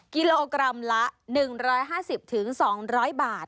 กิโลกรัมละ๑๕๐๒๐๐บาท